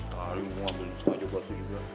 tali mau ambil suhu aja baru juga